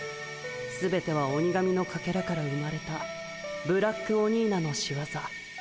すべては鬼神のかけらから生まれたブラックオニーナのしわざ。